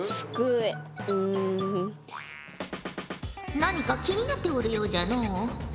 何か気になっておるようじゃのう。